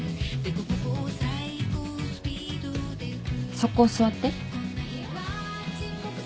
そこ座って。